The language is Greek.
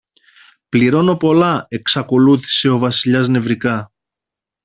πληρώνω πολλά, εξακολούθησε ο Βασιλιάς νευρικά.